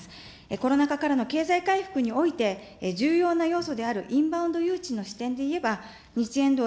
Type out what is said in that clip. コロナ禍からの経済回復において重要な要素であるインバウンド誘致の視点でいえば、にちえんどう